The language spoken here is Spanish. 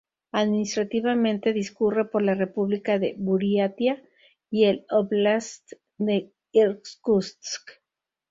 Administrativamente, discurre por la república de Buriatia y el óblast de Irkutsk.